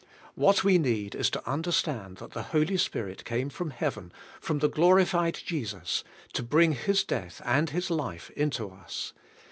What we need is to understand that the Holy Spirit came from Heaven, from the glorified Jesus, to bring His death and His life into us.